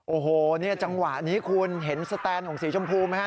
โอ้โหเนี่ยจังหวะนี้คุณเห็นสแตนของสีชมพูไหมฮะ